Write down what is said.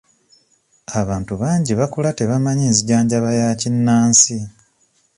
Abantu bangi bakula tebamanyi nzijanjaba ya kinnansi.